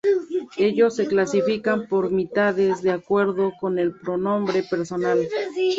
Ellos se clasifican por mitades de acuerdo con el pronombre personal.